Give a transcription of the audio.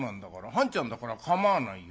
半ちゃんだから構わないよ。